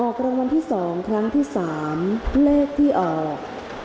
ออกรวมที่สองครั้งที่สามเลขที่ออก